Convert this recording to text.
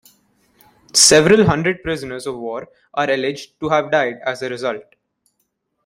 Several hundred prisoners of war are alleged to have died as a result.